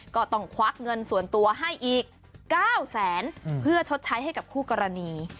ควักเงินส่วนตัวให้อีก๙แสนเพื่อชดใช้ให้กับคู่กรณี